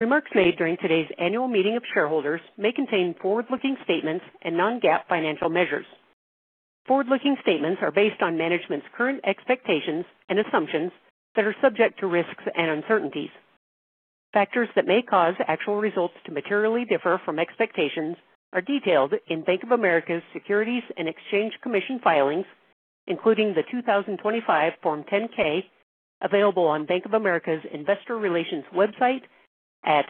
Remarks made during today's Annual Meeting of Shareholders may contain forward-looking statements and non-GAAP financial measures. Forward-looking statements are based on Management's current expectations and assumptions that are subject to risks and uncertainties. Factors that may cause actual results to materially differ from expectations are detailed in Bank of America's Securities and Exchange Commission filings, including the 2025 Form 10-K, available on Bank of America's Investor Relations website at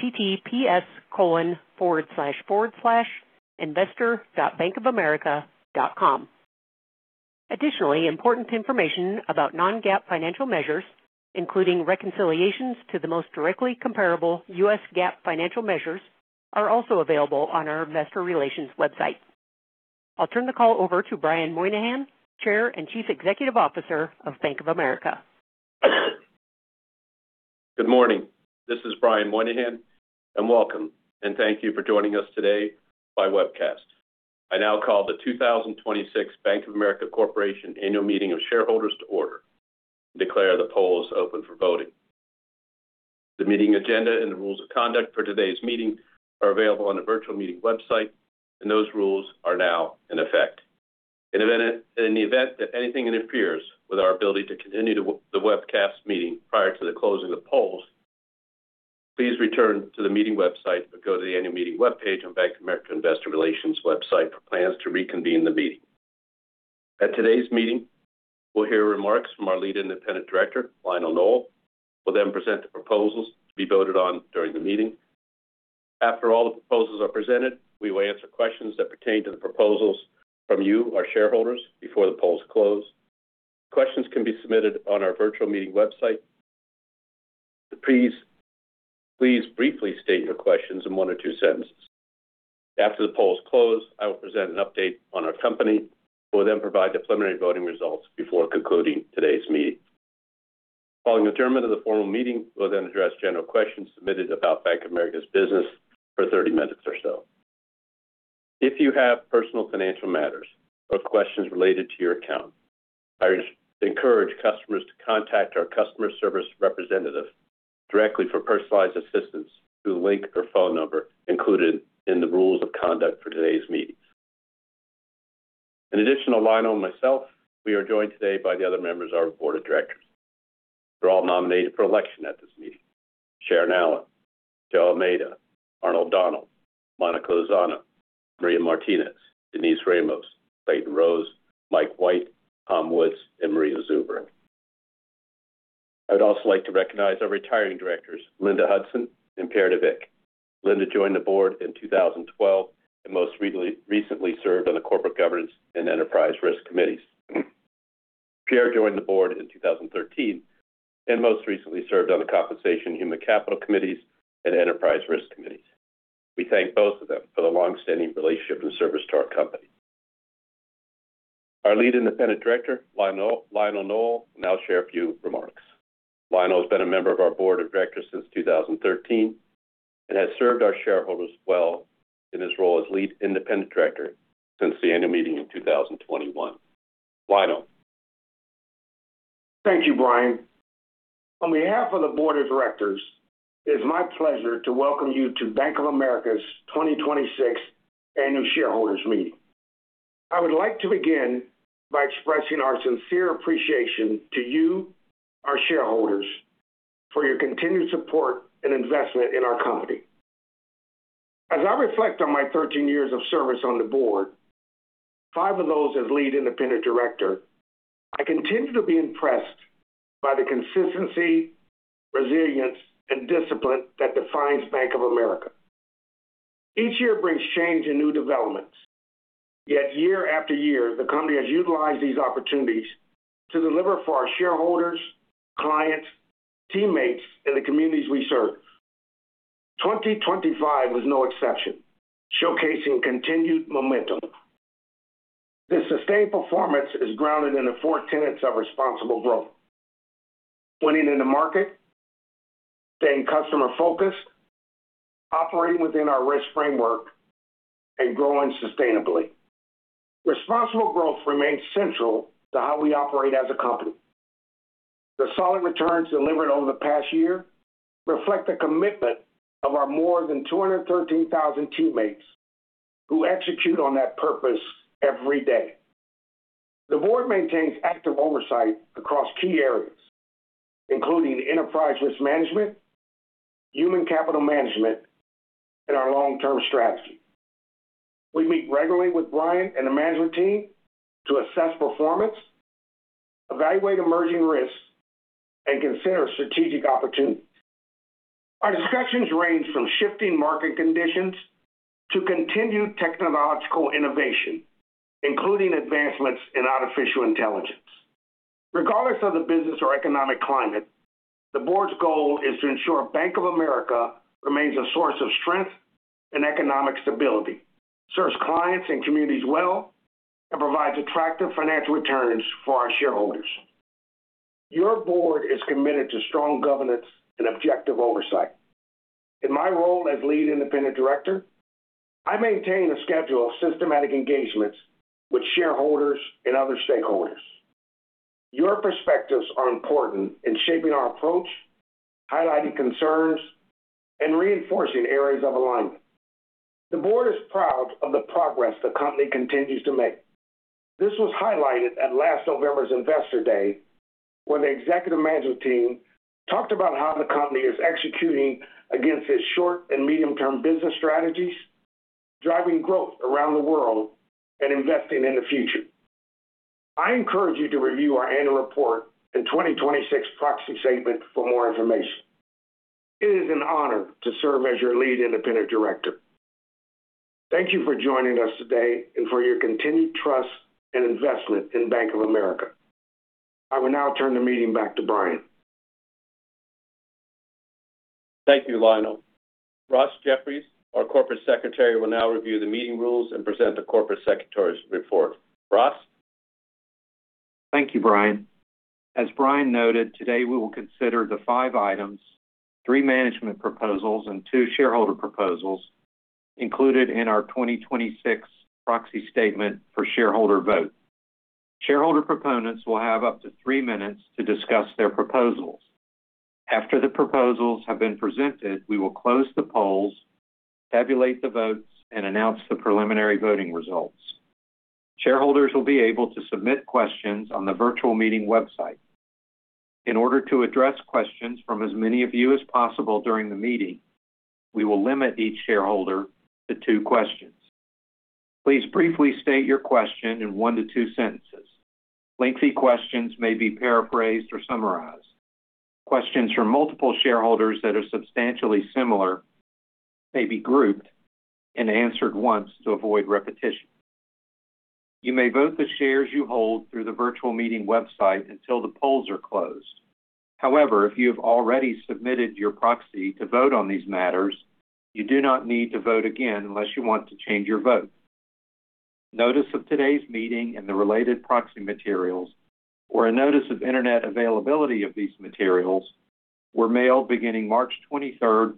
https://investor.bankofamerica.com. Additionally, important information about non-GAAP financial measures, including reconciliations to the most directly comparable U.S. GAAP financial measures, are also available on our Investor Relations website. I'll turn the call over to Brian Moynihan, Chair and Chief Executive Officer of Bank of America. Good morning. This is Brian Moynihan. Welcome, and thank you for joining us today by webcast. I now call the 2026 Bank of America Corporation Annual Meeting of Shareholders to order. Declare the polls open for voting. The meeting agenda and the rules of conduct for today's meeting are available on the virtual meeting website. Those rules are now in effect. In the event that anything interferes with our ability to continue to the webcast meeting prior to the closing of polls, please return to the meeting website or go to the Annual Meeting webpage on Bank of America Investor Relations website for plans to reconvene the meeting. At today's meeting, we'll hear remarks from our Lead Independent Director, Lionel Nowell. We'll present the proposals to be voted on during the meeting. After all the proposals are presented, we will answer questions that pertain to the proposals from you, our shareholders, before the polls close. Questions can be submitted on our virtual meeting website. Please briefly state your questions in one or two sentences. After the polls close, I will present an update on our company. We'll then provide the preliminary voting results before concluding today's meeting. Following adjournment of the formal meeting, we'll then address general questions submitted about Bank of America's business for 30 minutes or so. If you have personal financial matters or questions related to your account, I just encourage customers to contact our customer service representative directly for personalized assistance through the link or phone number included in the rules of conduct for today's meetings. In addition to Lionel and myself, we are joined today by the other members of our Board of Directors. They're all nominated for election at this meeting. Sharon Allen, Joe Almeida, Arnold Donald, Monica Lozano, Maria Martinez, Denise Ramos, Clayton Rose, Mike White, Tom Woods, and Maria Zuber. I would also like to recognize our retiring Directors, Linda Hudson and Pierre J.P. de Weck. Linda joined the Board in 2012 and most recently served on the Corporate Governance and Enterprise Risk Committees. Pierre joined the Board in 2013 and most recently served on the Compensation and Human Capital Committees and Enterprise Risk Committees. We thank both of them for the longstanding relationship and service to our company. Our Lead Independent Director, Lionel Nowell, will now share a few remarks. Lionel has been a member of our Board of Directors since 2013 and has served our shareholders well in his role as Lead Independent Director since the Annual Meeting in 2021. Lionel? Thank you, Brian. On behalf of the Board of Directors, it is my pleasure to welcome you to Bank of America's 2026 Annual Shareholders Meeting. I would like to begin by expressing our sincere appreciation to you, our shareholders, for your continued support and investment in our company. As I reflect on my 13 years of service on the Board, five of those as Lead Independent Director, I continue to be impressed by the consistency, resilience, and discipline that defines Bank of America. Each year brings change and new developments. Yet year-after-year, the company has utilized these opportunities to deliver for our shareholders, clients, teammates, and the communities we serve. 2025 was no exception, showcasing continued momentum. This sustained performance is grounded in the four tenets of Responsible Growth: winning in the market, staying customer-focused, operating within our risk framework, and growing sustainably. Responsible Growth remains central to how we operate as a company. The solid returns delivered over the past year reflect the commitment of our more than 213,000 teammates who execute on that purpose every day. The Board maintains active oversight across key areas, including Enterprise Risk Management, Human Capital Management, and our long-term strategy. We meet regularly with Brian and the Management team to assess performance, evaluate emerging risks, and consider strategic opportunities. Our discussions range from shifting market conditions to continued technological innovation, including advancements in artificial intelligence. Regardless of the business or economic climate, the Board's goal is to ensure Bank of America remains a source of strength and economic stability. Serves clients and communities well. And provides attractive financial returns for our shareholders. Your Board is committed to strong governance and objective oversight. In my role as Lead Independent Director, I maintain a schedule of systematic engagements with shareholders and other stakeholders. Your perspectives are important in shaping our approach, highlighting concerns, and reinforcing areas of alignment. The Board is proud of the progress the company continues to make. This was highlighted at last November's Investor Day, when the Executive Management team talked about how the company is executing against its short and medium-term business strategies, driving growth around the world and investing in the future. I encourage you to review our annual report in 2026 proxy statement for more information. It is an honor to serve as your Lead Independent Director. Thank you for joining us today and for your continued trust and investment in Bank of America. I will now turn the meeting back to Brian. Thank you, Lionel. Ross Jeffries, our Corporate Secretary, will now review the meeting rules and present the Corporate Secretary's report. Ross? Thank you, Brian. As Brian noted, today we will consider the five items, three management proposals, and two shareholder proposals included in our 2026 proxy statement for shareholder vote. Shareholder proponents will have up to three minutes to discuss their proposals. After the proposals have been presented, we will close the polls, tabulate the votes, and announce the preliminary voting results. Shareholders will be able to submit questions on the virtual meeting website. In order to address questions from as many of you as possible during the meeting, we will limit each shareholder to two questions. Please briefly state your question in 1 sentence-2 sentences. Lengthy questions may be paraphrased or summarized. Questions from multiple shareholders that are substantially similar may be grouped and answered once to avoid repetition. You may vote the shares you hold through the virtual meeting website until the polls are closed. However, if you have already submitted your proxy to vote on these matters, you do not need to vote again unless you want to change your vote. Notice of today's meeting and the related proxy materials, or a notice of internet availability of these materials, were mailed beginning March 23rd,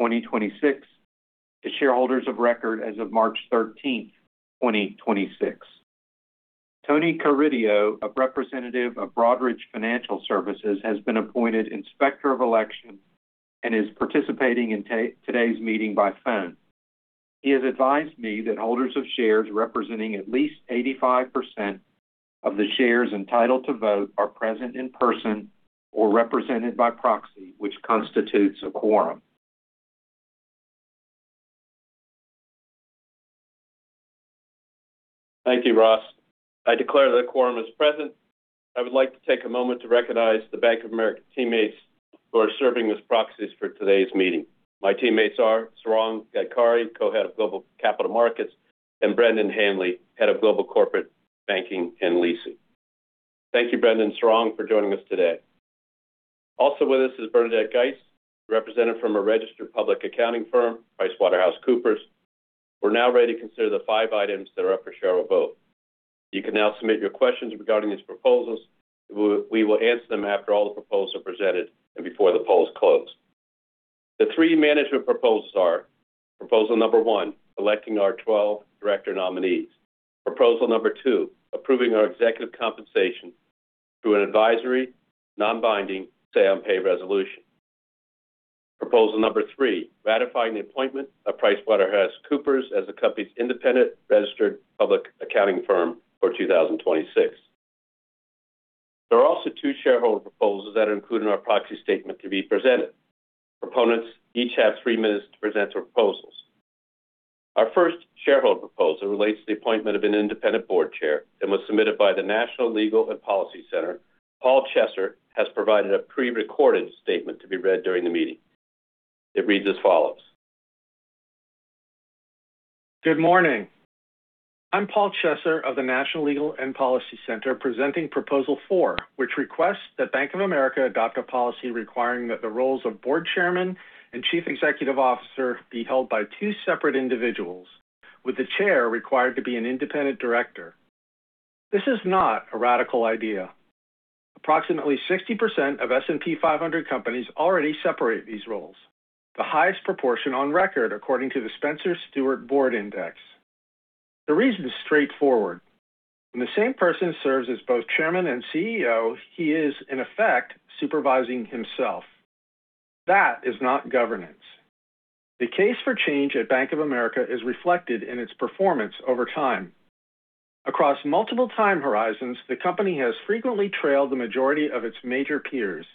2026 to shareholders of record as of March 13, 2026. Tony Carideo, a representative of Broadridge Financial Solutions, has been appointed Inspector of Election and is participating in today's meeting by phone. He has advised me that holders of shares representing at least 85% of the shares entitled to vote are present in person or represented by proxy, which constitutes a quorum. Thank you, Ross. I declare that a quorum is present. I would like to take a moment to recognize the Bank of America teammates who are serving as proxies for today's meeting. My teammates are Sarang Gadkari, Co-Head of Global Capital Markets, and Brendan Hanley, Head of Global Corporate Banking and Leasing. Thank you, Brendan and Sarang, for joining us today. Also with us is Bernadette Geis, representative from a registered public accounting firm, PricewaterhouseCoopers. We're now ready to consider the five items that are up for shareholder vote. You can now submit your questions regarding these proposals. We will answer them after all the proposals are presented and before the polls close. The three management proposals are proposal number one, electing our 12 Director nominees. Proposal number two, approving our executive compensation through an advisory, non-binding say-on-pay resolution. Proposal number three, ratifying the appointment of PricewaterhouseCoopers as the company's independent registered public accounting firm for 2026. There are also two shareholder proposals that are included in our proxy statement to be presented. Proponents each have 3 minutes to present their proposals. Our first shareholder proposal relates to the appointment of an Independent Board Chair and was submitted by the National Legal and Policy Center. Paul Chesser has provided a prerecorded statement to be read during the meeting. It reads as follows. Good morning. I'm Paul Chesser of the National Legal and Policy Center, presenting proposal four, which requests that Bank of America adopt a policy requiring that the roles of Board Chairman and Chief Executive Officer be held by two separate individuals with the Chair required to be an Independent Director. This is not a radical idea. Approximately 60% of S&P 500 companies already separate these roles. The highest proportion on record according to the Spencer Stuart Board Index. The reason is straightforward. When the same person serves as both Chairman and CEO, he is, in effect, supervising himself. That is not governance. The case for change at Bank of America is reflected in its performance over time. Across multiple time horizons, the company has frequently trailed the majority of its major peers,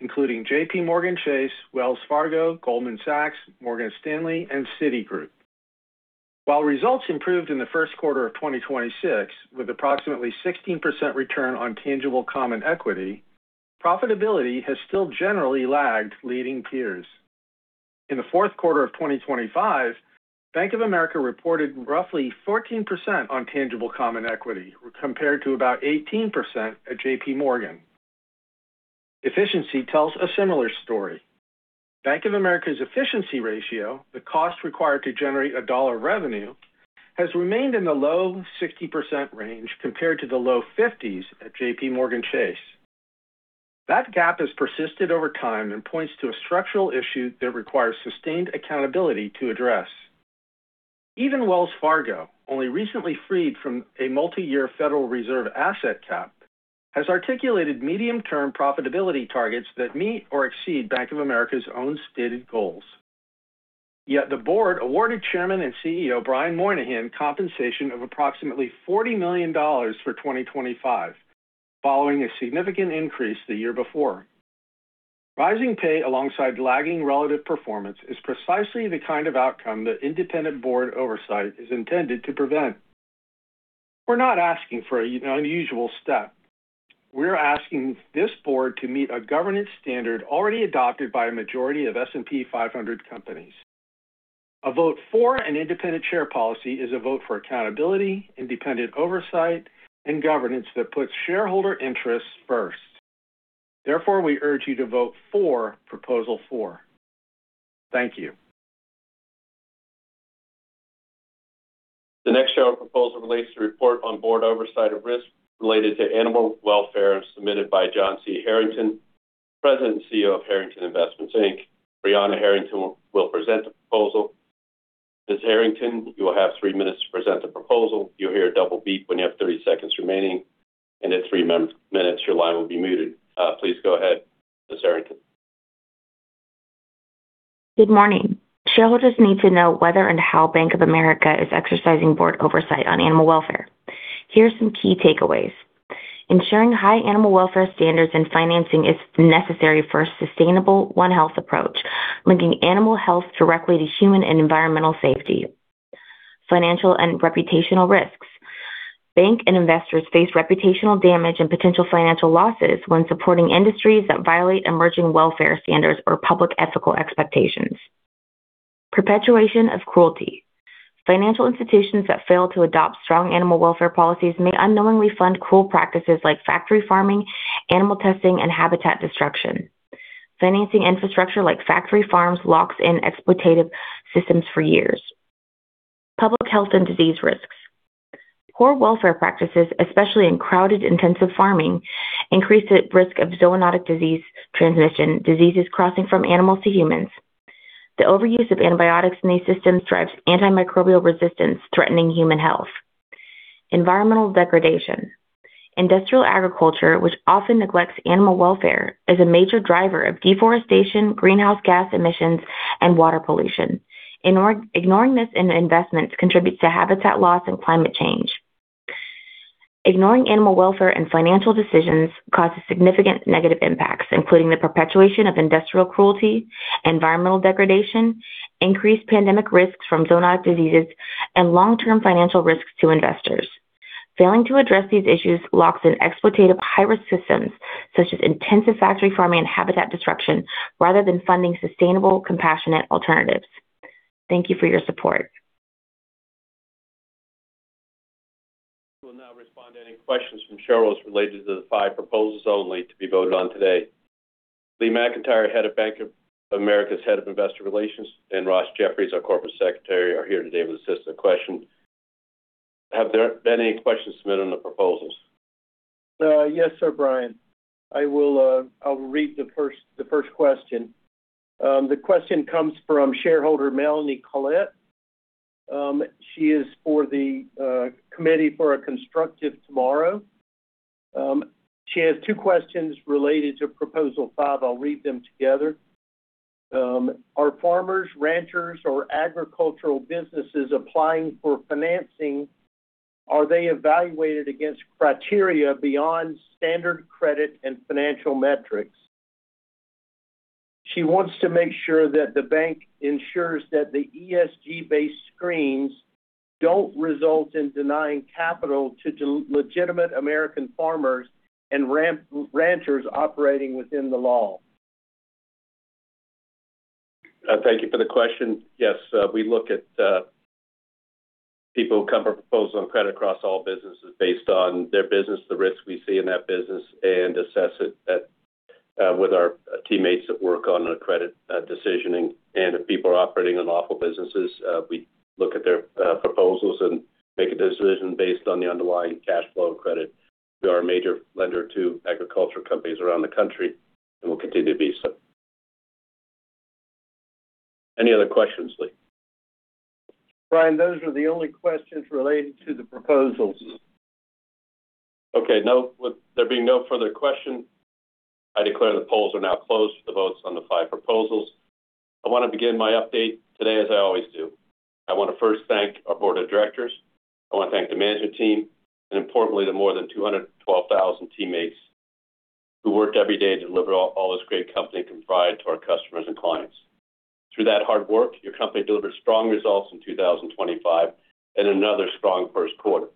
including JPMorgan Chase, Wells Fargo, Goldman Sachs, Morgan Stanley, and Citigroup. While results improved in the first quarter of 2026, with approximately 16% Return on Tangible Common Equity, profitability has still generally lagged leading peers. In the fourth quarter of 2025, Bank of America reported roughly 14% on tangible common equity, compared to about 18% at JPMorgan Chase. Efficiency tells a similar story. Bank of America's efficiency ratio, the cost required to generate a dollar revenue, has remained in the low 60% range compared to the low 50s at JPMorgan Chase. That gap has persisted over time and points to a structural issue that requires sustained accountability to address. Even Wells Fargo, only recently freed from a multi-year Federal Reserve asset cap, has articulated medium-term profitability targets that meet or exceed Bank of America's own stated goals. Yet the Board awarded Chairman and CEO Brian Moynihan compensation of approximately $40 million for 2025, following a significant increase the year before. Rising pay alongside lagging relative performance is precisely the kind of outcome that Independent Board Oversight is intended to prevent. We're not asking for an unusual step. We're asking this Board to meet a governance standard already adopted by a majority of S&P 500 companies. A vote for an Independent Chair Policy is a vote for accountability, Independent Oversight, and Governance that puts shareholder interests first. We urge you to vote for proposal four. Thank you. The next shareholder proposal relates to report on Board Oversight of risk related to animal welfare, submitted by John C. Harrington, President and CEO of Harrington Investments, Inc. Brianna Harrington will present the proposal. Ms. Harrington, you will have 3 minutes to present the proposal. You'll hear a double beep when you have 30 seconds remaining, and at 3 minutes, your line will be muted. Please go ahead, Ms. Harrington. Good morning. Shareholders need to know whether and how Bank of America is exercising Board Oversight on animal welfare. Here are some key takeaways. Ensuring high animal welfare standards and financing is necessary for a sustainable One Health approach, linking animal health directly to human and environmental safety. Financial and reputational risks. Bank and investors face reputational damage and potential financial losses when supporting industries that violate emerging welfare standards or public ethical expectations. Perpetuation of cruelty. Financial institutions that fail to adopt strong animal welfare policies may unknowingly fund cruel practices like factory farming, animal testing, and habitat destruction. Financing infrastructure like factory farms locks in exploitative systems for years. Public health and disease risks. Poor welfare practices, especially in crowded, intensive farming, increase the risk of zoonotic disease transmission, diseases crossing from animals to humans. The overuse of antibiotics in these systems drives antimicrobial resistance, threatening human health. Environmental degradation. Industrial agriculture, which often neglects animal welfare, is a major driver of deforestation, greenhouse gas emissions, and water pollution. Ignoring this in investments contributes to habitat loss and climate change. Ignoring animal welfare and financial decisions causes significant negative impacts, including the perpetuation of industrial cruelty, environmental degradation, increased pandemic risks from zoonotic diseases, and long-term financial risks to investors. Failing to address these issues locks in exploitative high-risk systems, such as intensive factory farming and habitat disruption, rather than funding sustainable, compassionate alternatives. Thank you for your support. We will now respond to any questions from shareholders related to the five proposals only to be voted on today. Lee McEntire, Bank of America's Head of Investor Relations, and Ross Jeffries, our Corporate Secretary, are here today to assist with the question. Have there been any questions submitted on the proposals? Yes, Sir Brian. I will read the first question. The question comes from shareholder Melanie Colette. She is for the Committee for a Constructive Tomorrow. She has two questions related to proposal five. I'll read them together. Are farmers, ranchers, or agricultural businesses applying for financing, are they evaluated against criteria beyond standard credit and financial metrics? She wants to make sure that the bank ensures that the ESG-based screens don't result in denying capital to legitimate American farmers and ranchers operating within the law. Thank you for the question. Yes, we look at people who come for a proposal on credit across all businesses based on their business, the risk we see in that business, and assess it with our teammates that work on a credit decisioning. If people are operating in lawful businesses, we look at their proposals and make a decision based on the underlying cash flow of credit. We are a major lender to agricultural companies around the country and will continue to be so. Any other questions, Lee? Brian, those are the only questions related to the proposals. No, with there being no further questions, I declare the polls are now closed for the votes on the five proposals. I want to begin my update today as I always do. I want to first thank our Board of Directors. I want to thank the Management team, and importantly, the more than 212,000 teammates who work every day to deliver all this great company can provide to our customers and clients. Through that hard work, your company delivered strong results in 2025 and another strong first quarter.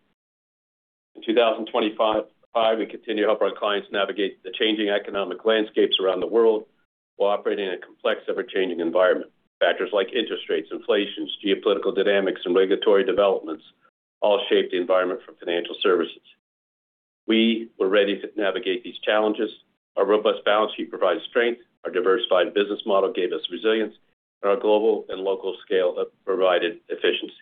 In 2025, we continue to help our clients navigate the changing economic landscapes around the world while operating in a complex, ever-changing environment. Factors like interest rates, inflation, geopolitical dynamics, and regulatory developments all shape the environment for financial services. We were ready to navigate these challenges. Our robust balance sheet provided strength, our diversified business model gave us resilience, and our global and local scale provided efficiency.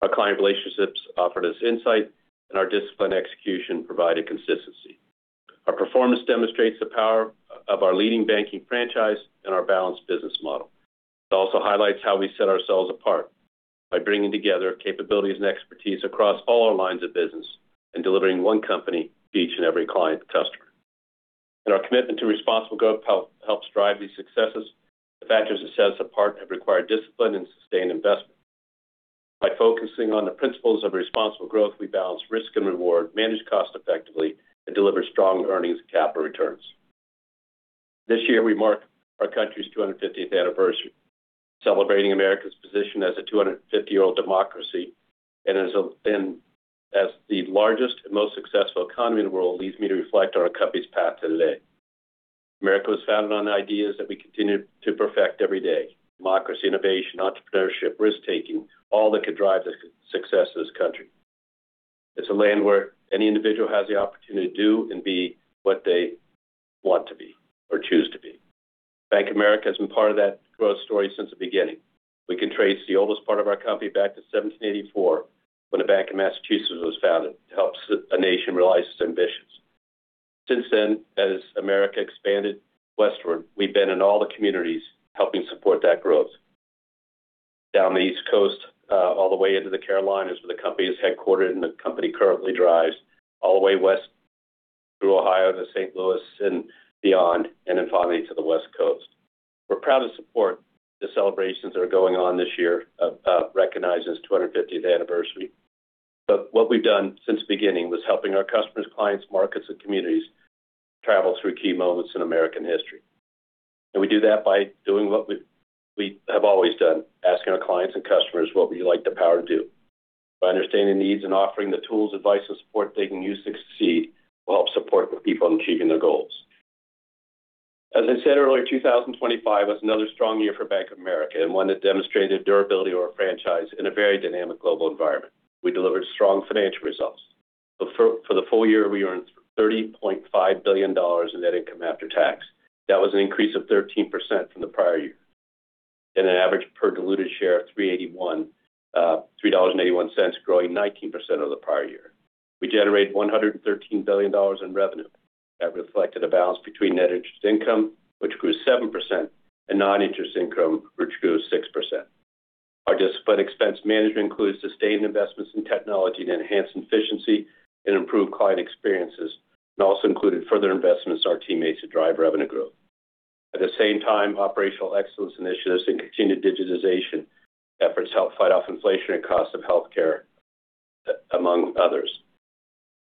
Our client relationships offered us insight, and our disciplined execution provided consistency. Our performance demonstrates the power of our leading banking franchise and our balanced business model. It also highlights how we set ourselves apart by bringing together capabilities and expertise across all our lines of business and delivering one company to each and every client and customer. Our commitment to Responsible Growth helps drive these successes. The factors that set us apart have required discipline and sustained investment. By focusing on the principles of Responsible Growth, we balance risk and reward, manage cost effectively, and deliver strong earnings and capital returns. This year, we mark our country's 250th anniversary, celebrating America's position as a 250-year-old democracy. And as the largest and most successful economy in the world leads me to reflect on our company's path to today. America was founded on ideas that we continue to perfect every day. Democracy, innovation, entrepreneurship, risk-taking, all that could drive the success of this country. It's a land where any individual has the opportunity to do and be what they want to be or choose to be. Bank of America has been part of that growth story since the beginning. We can trace the oldest part of our company back to 1784 when a bank in Massachusetts was founded to help a nation realize its ambitions. Since then, as America expanded westward, we've been in all the communities helping support that growth. Down the East Coast, all the way into the Carolinas, where the company is headquartered, and the company currently drives all the way west through Ohio to St. Louis and beyond, and then finally to the West Coast. We're proud to support the celebrations that are going on this year, recognizing this 250th anniversary. What we've done since the beginning was helping our customers, clients, markets, and communities travel through key moments in American history. We do that by doing what we have always done, asking our clients and customers what would you like the power to do? By understanding needs and offering the tools, advice, and support they can use to succeed will help support the people in achieving their goals. As I said earlier, 2025 was another strong year for Bank of America and one that demonstrated durability of our franchise in a very dynamic global environment. We delivered strong financial results. For the full year, we earned $30.5 billion in net income after tax. That was an increase of 13% from the prior year. And an average per diluted share of $3.81, growing 19% over the prior year. We generated $113 billion in revenue. That reflected a balance between net interest income, which grew 7%, and non-interest income, which grew 6%. Our Disciplined Expense Management includes sustained investments in technology to enhance efficiency and improve client experiences, and also included further investments in our teammates to drive revenue growth. At the same time, operational excellence initiatives and continued digitization efforts helped fight off inflationary costs of healthcare, among others.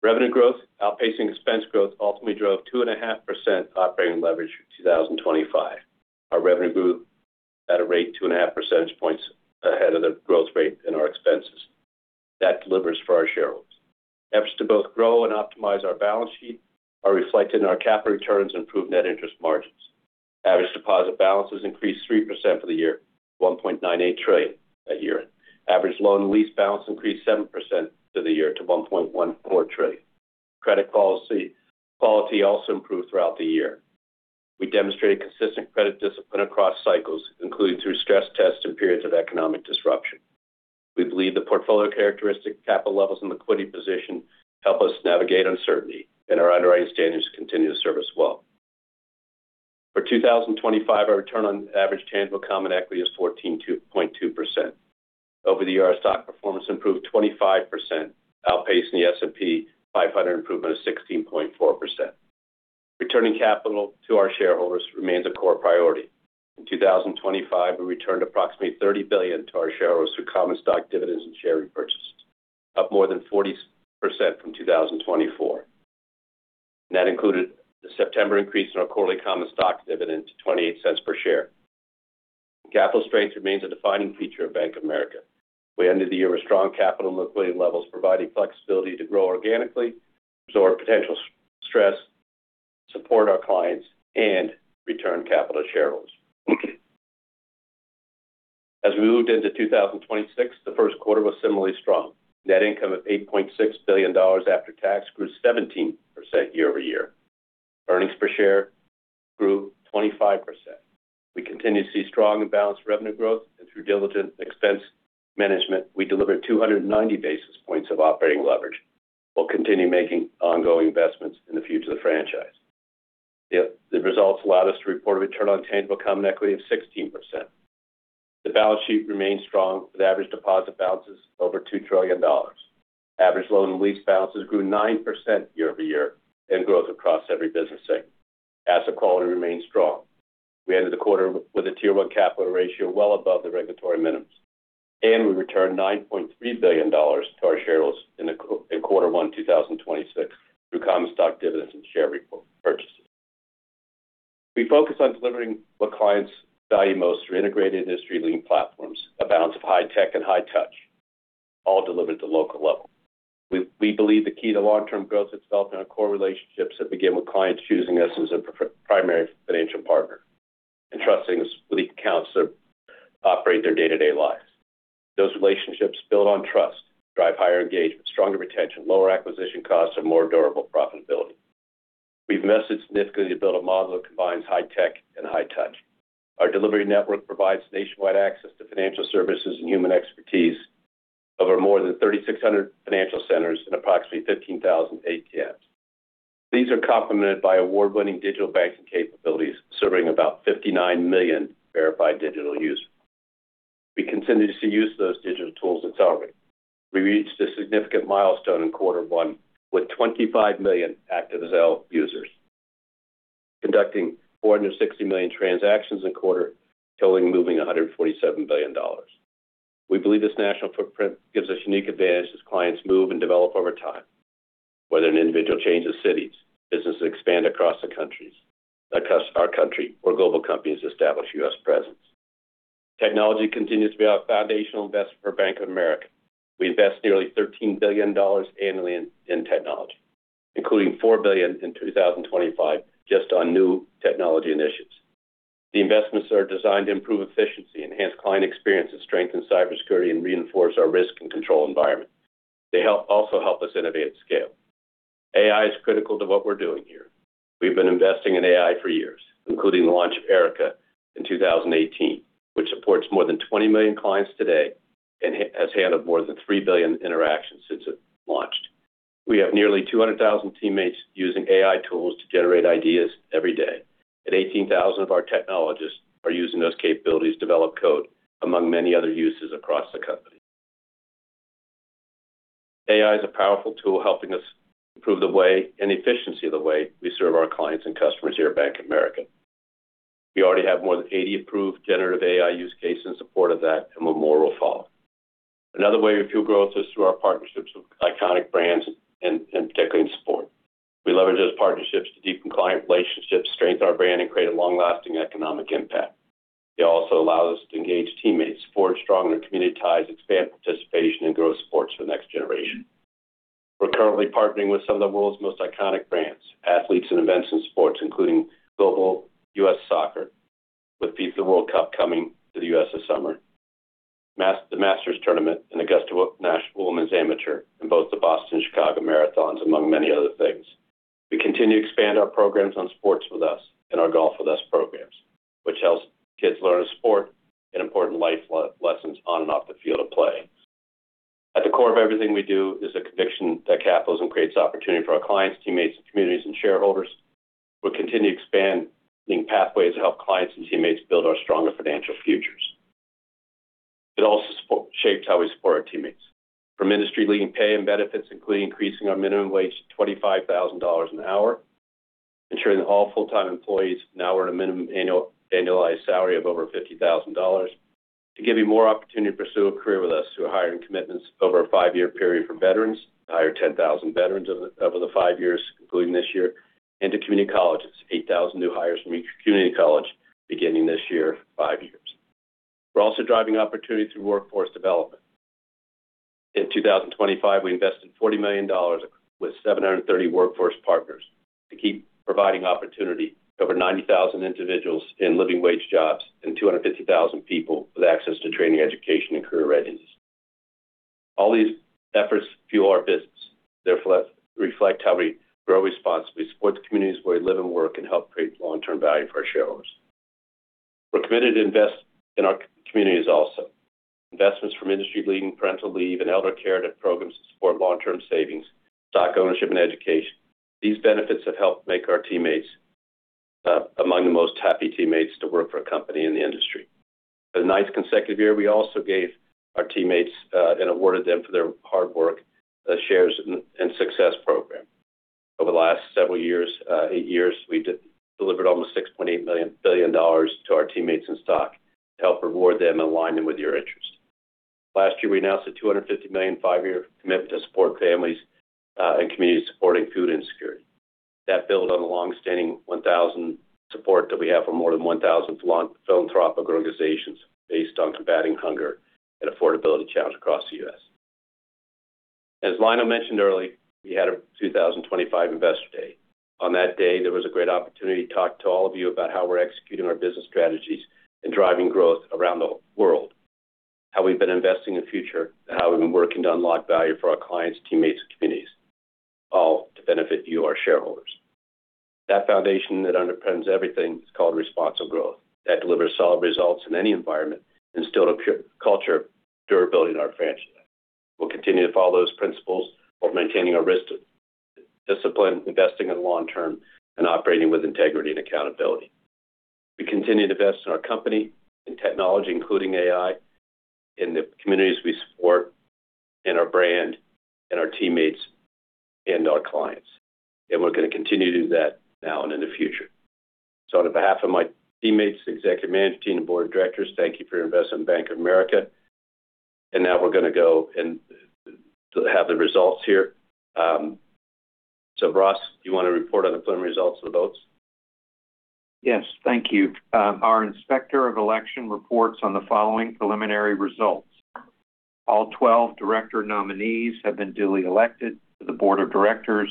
Revenue growth outpacing expense growth ultimately drove 2.5% operating leverage in 2025. Our revenue grew at a rate 2.5 percentage points ahead of the growth rate in our expenses. That delivers for our shareholders. Efforts to both grow and optimize our balance sheet are reflected in our capital returns and improved net interest margins. Average deposit balances increased 3% for the year to $1.98 trillion that year. Average loan lease balance increased 7% for the year to $1.14 trillion. Credit policy, quality also improved throughout the year. We demonstrated consistent credit discipline across cycles, including through stress tests and periods of economic disruption. We believe the portfolio characteristic capital levels and liquidity position help us navigate uncertainty, and our underwriting standards continue to serve us well. For 2025, our return on average tangible common equity is 14.2%. Over the year, our stock performance improved 25%, outpacing the S&P 500 improvement of 16.4%. Returning capital to our shareholders remains a core priority. In 2025, we returned approximately $30 billion to our shareholders through common stock dividends and share repurchases, up more than 40% from 2024. That included the September increase in our quarterly common stock dividend to $0.28 per share. Capital strength remains a defining feature of Bank of America. We ended the year with strong capital and liquidity levels, providing flexibility to grow organically, absorb potential stress, support our clients, and return capital to shareholders. As we moved into 2026, the first quarter was similarly strong. Net income of $8.6 billion after tax grew 17% year-over-year. Earnings per share grew 25%. We continue to see strong and balanced revenue growth. Through diligent Expense Management, we delivered 290 basis points of operating leverage while continue making ongoing investments in the future of the franchise. The results allowed us to report a Return on Tangible Common Equity of 16%. The balance sheet remains strong, with average deposit balances over $2 trillion. Average loan and lease balances grew 9% year-over-year and growth across every business segment. Asset quality remains strong. We ended the quarter with a Tier 1 capital ratio well above the regulatory minimums, and we returned $9.3 billion to our shareholders in quarter 1 2026 through common stock dividends and share repurchases. We focus on delivering what clients value most through integrated industry-leading platforms, a balance of high tech and high touch, all delivered at the local level. We believe the key to long-term growth is developing our core relationships that begin with clients choosing us as a primary financial partner and trusting us with accounts that operate their day-to-day lives. Those relationships built on trust drive higher engagement, stronger retention, lower acquisition costs, and more durable profitability. We've invested significantly to build a model that combines high tech and high touch. Our delivery network provides nationwide access to financial services and human expertise over more than 3,600 financial centers and approximately 15,000 ATMs. These are complemented by award-winning digital banking capabilities, serving about 59 million verified digital users. We continue to use those digital tools at Zelle. We reached a significant milestone in Q1 with 25 million active Zelle users, conducting 460 million transactions a quarter, totaling moving $147 billion. We believe this national footprint gives us unique advantage as clients move and develop over time, whether an individual changes cities, businesses expand across the countries, across our country, or global companies establish U.S. presence. Technology continues to be our foundational investment for Bank of America. We invest nearly $13 billion annually in technology, including $4 billion in 2025 just on new technology initiatives. The investments are designed to improve efficiency, enhance client experiences, strengthen cybersecurity, and reinforce our risk and control environment. They also help us innovate scale. AI is critical to what we're doing here. We've been investing in AI for years, including the launch of Erica in 2018, which supports more than 20 million clients today and has handled more than 3 billion interactions since it launched. We have nearly 200,000 teammates using AI tools to generate ideas every day. Eighteen thousand of our technologists are using those capabilities to develop code, among many other uses across the company. AI is a powerful tool helping us improve the way and the efficiency of the way we serve our clients and customers here at Bank of America. We already have more than 80 approved generative AI use cases in support of that, more will follow. Another way we fuel growth is through our partnerships with iconic brands, and particularly in sport. We leverage those partnerships to deepen client relationships, strengthen our brand, and create a long-lasting economic impact. It also allows us to engage teammates, forge stronger community ties, expand participation, and grow sports for the next generation. We're currently partnering with some of the world's most iconic brands, athletes, and events in sports, including global U.S. Soccer, with FIFA World Cup coming to the U.S. this summer, the Masters Tournament in Augusta, the U.S. Women's Amateur, and both the Boston and Chicago marathons, among many other things. We continue to expand our programs on Sports with Us and our Golf with Us programs, which helps kids learn a sport and important life lessons on and off the field of play. At the core of everything we do is a conviction that capitalism creates opportunity for our clients, teammates, communities, and shareholders. We'll continue expanding pathways to help clients and teammates build our stronger financial futures. It also shapes how we support our teammates. From industry-leading pay and benefits, including increasing our minimum wage to $25,000 an hour, ensuring that all full-time employees now earn a minimum annual annualized salary of over $50,000. To give you more opportunity to pursue a career with us through hiring commitments over a 5-year period for veterans. Hire 10,000 veterans over the five years, including this year. To community colleges, 8,000 new hires from each community college beginning this year, five years. We're also driving opportunity through workforce development. In 2025, we invested $40 million with 730 workforce partners to keep providing opportunity to over 90,000 individuals in living wage jobs and 250,000 people with access to training, education, and career readiness. All these efforts fuel our business. They reflect how we grow responsibly, support the communities where we live and work, and help create long-term value for our shareholders. We're committed to invest in our communities also. Investments from industry-leading parental leave and elder care to programs to support long-term savings, stock ownership, and education. These benefits have helped make our teammates among the most happy teammates to work for a company in the industry. For the ninth consecutive year, we also gave our teammates and awarded them for their hard work, the Sharing Success program. Over the last several years, eight years, we delivered almost $6.8 billion to our teammates in stock to help reward them and align them with your interest. Last year, we announced a $250 million 5-year commitment to support families and communities supporting food insecurity. That build on the longstanding 1,000 support that we have for more than 1,000 philanthropic organizations based on combating hunger and affordability challenges across the U.S. As Lionel mentioned earlier, we had a 2025 Investor Day. On that day, there was a great opportunity to talk to all of you about how we're executing our business strategies and driving growth around the world. How we've been investing in future, and how we've been working to unlock value for our clients, teammates, and communities, all to benefit you, our shareholders. That foundation that underpins everything is called Responsible Growth. That delivers solid results in any environment and instill a culture of durability in our franchise. We'll continue to follow those principles while maintaining our risk discipline, investing in long term, and operating with integrity and accountability. We continue to invest in our company, in technology, including AI, in the communities we support, in our brand, in our teammates, and our clients. We're gonna continue to do that now and in the future. On behalf of my teammates, the Executive Management team, and Board of Directors, thank you for your investment in Bank of America. Now we're gonna go and have the results here. Ross, do you want to report on the preliminary results of the votes? Yes, thank you. Our Inspector of Election reports on the following preliminary results. All 12 Director nominees have been duly elected to the Board of Directors,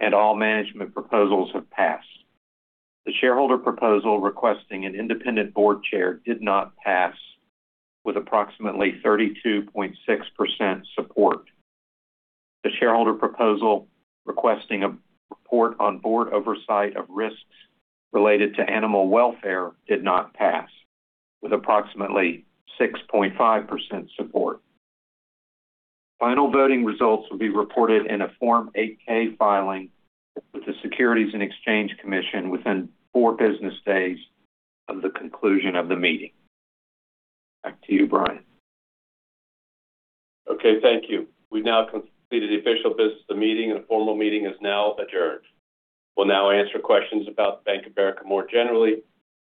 and all management proposals have passed. The shareholder proposal requesting an Independent Board Chair did not pass with approximately 32.6% support. The shareholder proposal requesting a report on Board Oversight of risks related to animal welfare did not pass with approximately 6.5% support. Final voting results will be reported in a Form 8-K filing with the Securities and Exchange Commission within four business days of the conclusion of the meeting. Back to you, Brian. Okay, thank you. We've now completed the official business of the meeting, and the formal meeting is now adjourned. We'll now answer questions about Bank of America more generally.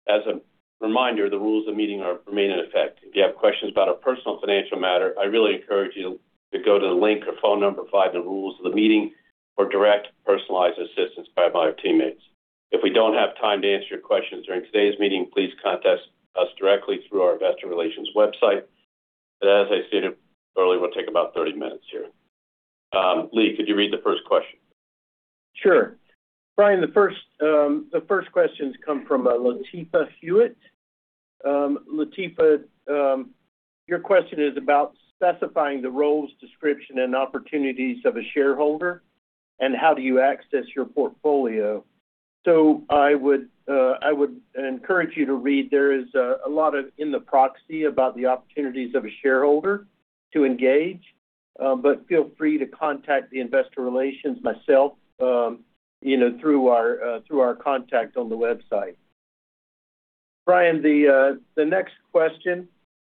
As a reminder, the rules of meeting are, remain in effect. If you have questions about a personal financial matter, I really encourage you to go to the link or phone number provided in the rules of the meeting for direct personalized assistance by my teammates. If we don't have time to answer your questions during today's meeting, please contact us directly through our investor relations website. As I stated earlier, we'll take about 30 minutes here. Lee, could you read the first question? Sure. Brian, the first questions come from [Latifa Hewitt]. Latifa, your question is about specifying the roles, description, and opportunities of a shareholder and how do you access your portfolio. I would encourage you to read. There is a lot of in the proxy about the opportunities of a shareholder to engage, but feel free to contact the investor relations myself, you know, through our contact on the website. Brian, the next question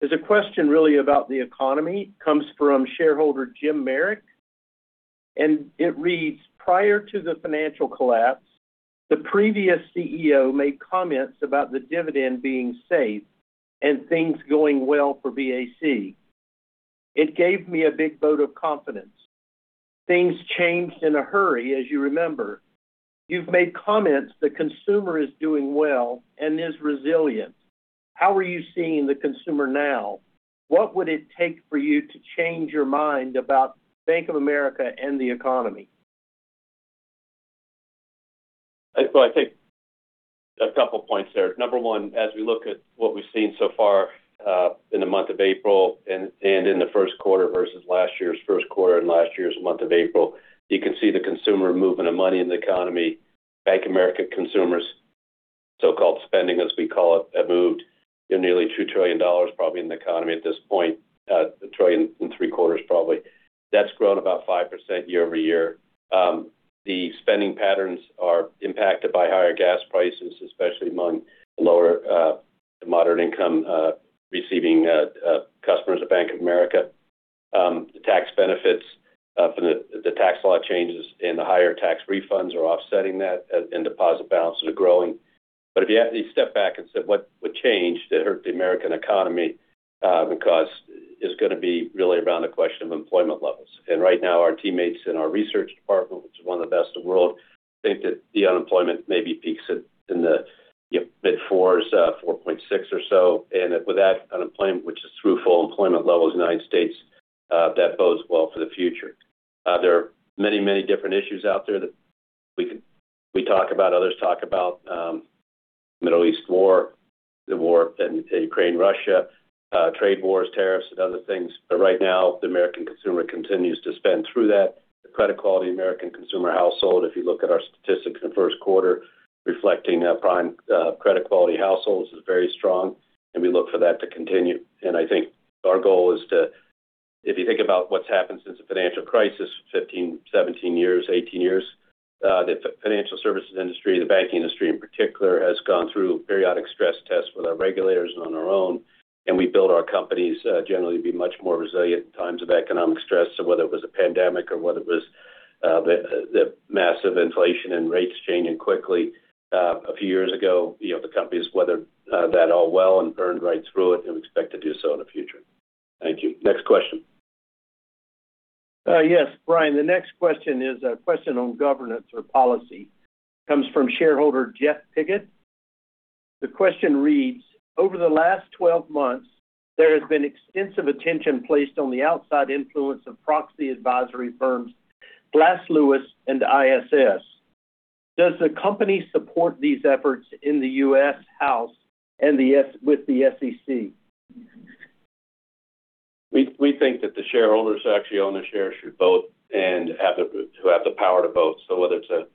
is a question really about the economy. Comes from shareholder Jim Merrick, and it reads: Prior to the financial collapse, the previous CEO made comments about the dividend being safe and things going well for BAC. It gave me a big vote of confidence. Things changed in a hurry, as you remember. You've made comments the consumer is doing well and is resilient. How are you seeing the consumer now? What would it take for you to change your mind about Bank of America and the economy? I think a couple points there. Number one, as we look at what we've seen so far in the month of April and in the first quarter versus last year's first quarter and last year's month of April. You can see the consumer movement of money in the economy. Bank of America consumers' so-called spending, as we call it, have moved nearly $2 trillion, probably in the economy at this point. $1.75 trillion, probably. That's grown about 5% year-over-year. The spending patterns are impacted by higher gas prices, especially among the lower to moderate income receiving customers of Bank of America. The tax benefits from the tax law changes and the higher tax refunds are offsetting that, and deposit balances are growing. If you had to step back and said what would change that hurt the American economy, because it's gonna be really around the question of employment levels. Right now, our teammates in our research department, which is one of the best in the world, think that the unemployment maybe peaks at, in the, you know, mid-4s, 4.6 or so. With that unemployment, which is through full employment levels in the U.S., that bodes well for the future. There are many, many different issues out there that we talk about, others talk about, Middle East war, the war in Ukraine, Russia, trade wars, tariffs, and other things. Right now, the American consumer continues to spend through that. The credit quality of American consumer household, if you look at our statistics in the 1st quarter, reflecting prime credit quality households, is very strong, and we look for that to continue. I think our goal is to. If you think about what's happened since the financial crisis, 15 years, 17 years, 18 years, the financial services industry, the banking industry in particular, has gone through periodic stress tests with our regulators and on our own. And we build our companies generally to be much more resilient in times of economic stress. Whether it was a pandemic or whether it was the massive inflation and rates changing quickly a few years ago, you know, the company's weathered that all well and burned right through it and expect to do so in the future. Thank you. Next question. Yes. Brian, the next question is a question on Governance or Policy. Comes from shareholder Jeff Pickett. The question reads: Over the last 12 months, there has been extensive attention placed on the outside influence of proxy advisory firms Glass, Lewis and ISS. Does the company support these efforts in the U.S. House and with the SEC? We think that the shareholders who actually own the shares should vote and have the power to vote. Whether it's an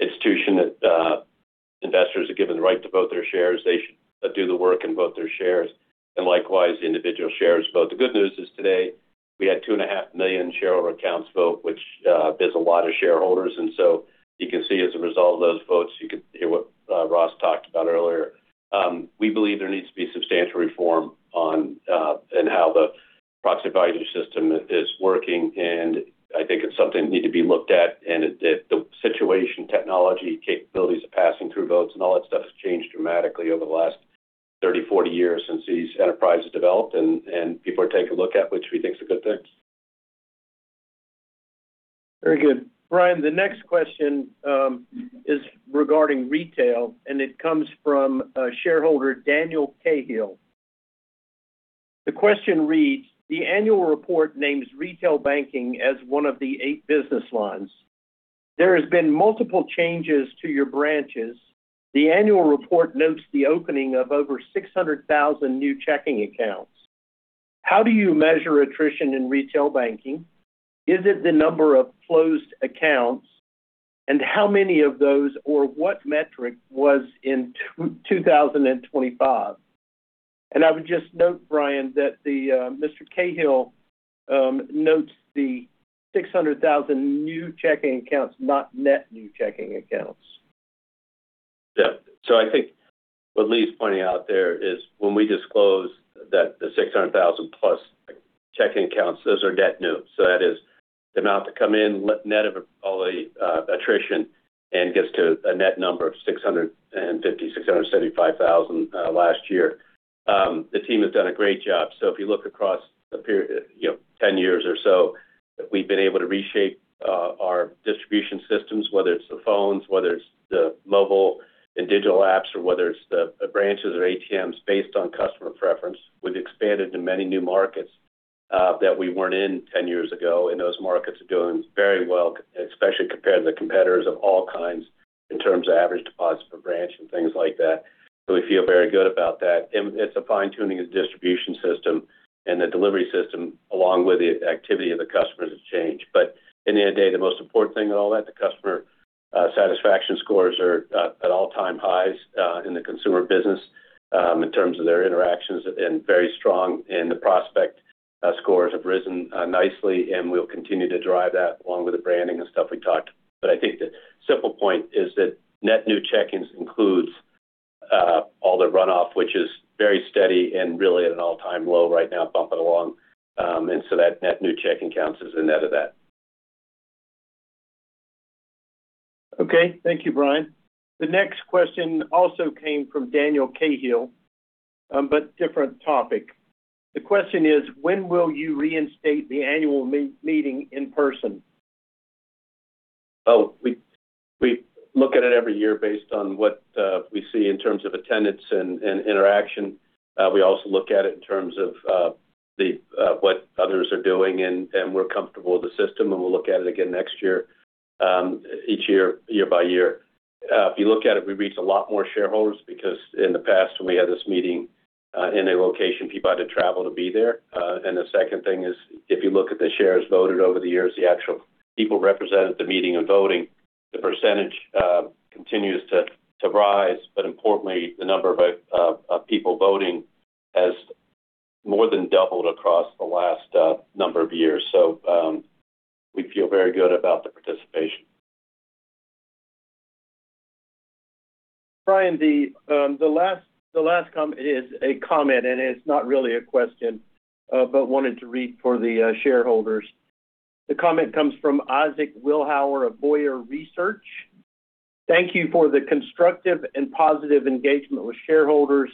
institution that investors are given the right to vote their shares, they should do the work and vote their shares. Likewise, the individual shares vote. The good news is today we had 2.5 million shareholder accounts vote, which is a lot of shareholders. You can see as a result of those votes, you could hear what Ross talked about earlier. We believe there needs to be substantial reform on in how the proxy advisory system is working. I think it's something that needs to be looked at, the situation, technology capabilities of passing through votes, and all that stuff has changed dramatically over the last 30 years, 40 years since these enterprises developed, and people are taking a look at, which we think is a good thing. Very good. Brian, the next question is regarding retail, and it comes from a shareholder, Daniel Cahill. The question reads: The annual report names retail banking as one of the eight business lines. There has been multiple changes to your branches. The annual report notes the opening of over 600,000 new checking accounts. How do you measure attrition in retail banking? Is it the number of closed accounts? How many of those or what metric was in 2025? I would just note, Brian, that Mr. Cahill notes the 600,000 new checking accounts, not net new checking accounts. I think what Lee's pointing out there is when we disclose that the 600,000+ checking accounts, those are net new. That is the amount that come in net of all the attrition and gets to a net number of 650,000, 675,000 last year. The team has done a great job. If you look across the period, you know, 10 years or so, we've been able to reshape our distribution systems, whether it's the phones, whether it's the mobile and digital apps or whether it's the branches or ATMs based on customer preference. We've expanded to many new markets that we weren't in 10 years ago. Those markets are doing very well, especially compared to the competitors of all kinds in terms of average deposits per branch and things like that. We feel very good about that. It's a fine-tuning of the distribution system and the delivery system along with the activity of the customers has changed. At the end of the day, the most important thing in all that, the customer satisfaction scores are at all-time highs in the consumer business in terms of their interactions and very strong. The prospect scores have risen nicely, and we'll continue to drive that along with the branding and stuff we talked. I think the simple point is that net new checkings includes all the runoff, which is very steady and really at an all-time low right now bumping along. That net new checking counts as a net of that. Okay. Thank you, Brian. The next question also came from Daniel Cahill, different topic. The question is: When will you reinstate the Annual Meeting in person? We look at it every year based on what we see in terms of attendance and interaction. We also look at it in terms of the what others are doing. We're comfortable with the system, and we'll look at it again next year, each year-by-year. If you look at it, we reach a lot more shareholders because in the past when we had this meeting in a location, people had to travel to be there. The second thing is, if you look at the shares voted over the years, the actual people represented at the meeting and voting, the percentage continues to rise. Importantly, the number of people voting has more than doubled across the last number of years. We feel very good about the participation. Brian, the last comment is a comment, and it's not really a question, but wanted to read for the shareholders. The comment comes from Isaac Willour of Bowyer Research. Thank you for the constructive and positive engagement with shareholders.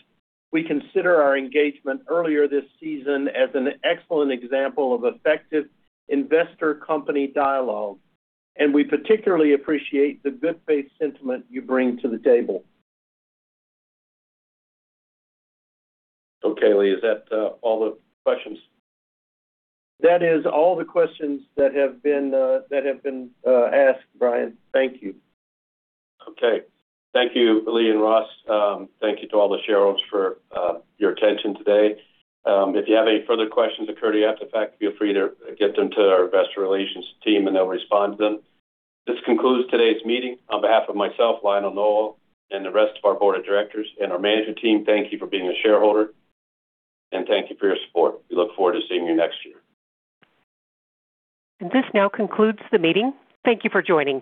We consider our engagement earlier this season as an excellent example of effective investor-company dialogue, and we particularly appreciate the good-faith sentiment you bring to the table. Okay, Lee. Is that all the questions? That is all the questions that have been asked, Brian. Thank you. Okay. Thank you, Lee and Ross. Thank you to all the shareholders for your attention today. If you have any further questions that occur to you after the fact, feel free to get them to our investor relations team, and they'll respond to them. This concludes today's meeting. On behalf of myself, Lionel Nowell, and the rest of our Board of Directors and our Management team, thank you for being a shareholder and thank you for your support. We look forward to seeing you next year. This now concludes the meeting. Thank you for joining.